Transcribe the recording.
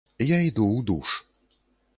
Я іду ў душ.